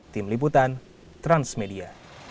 tim liputan transmedia